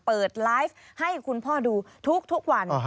เปิดไลฟ์ให้คุณพ่อดูทุกวัน